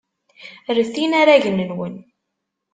Ret inaragen-nwen.